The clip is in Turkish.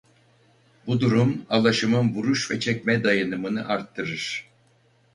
Bu durum alaşımın vuruş ve çekme dayanımını artırır.